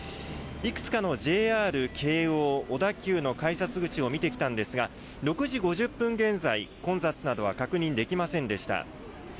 いくつかのＪＲ、京王、小田急の改札口を見てきたんですが、６時５０分現在、混雑などは確認できませんでした。